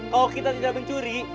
kalau kita tidak mencuri